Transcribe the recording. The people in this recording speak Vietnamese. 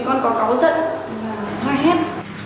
vì con có cáu giận và hoài hết